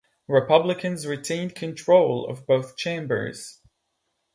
Republicans retained control of both chambers.